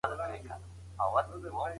هر څوک خپله کيسه وايي تل.